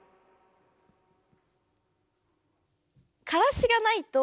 からしがないと。